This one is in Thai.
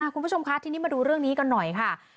คุณผู้ชมคะทีนี้มาดูเรื่องนี้กันหน่อยค่ะ